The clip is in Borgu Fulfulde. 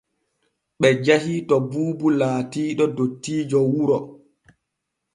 Ɓe jahii to Buubu laatiiɗo dottiijo wuro.